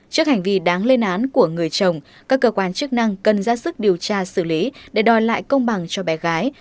trước hành vi đáng lên án của người chồng các cơ quan chức năng cần ra sức điều tra xử lý để đòi lại công bằng cho bé gái